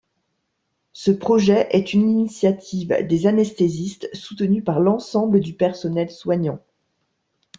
Ce projet est une initiative des anesthésistes, soutenu par l’ensemble du personnel soignant.